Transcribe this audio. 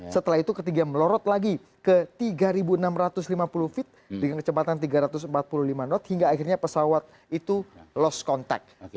setelah itu ketiga melorot lagi ke tiga enam ratus lima puluh feet dengan kecepatan tiga ratus empat puluh lima knot hingga akhirnya pesawat itu lost contact